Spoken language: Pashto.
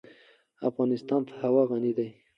افغانستان په هوا غني دی.